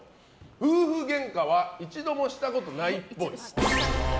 夫婦ゲンカは一度もしたことないっぽい。